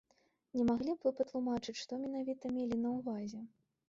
Не маглі б вы патлумачыць, што менавіта мелі на ўвазе?